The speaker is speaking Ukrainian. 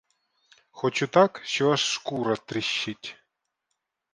Хочу так, що аж шкура тріщить.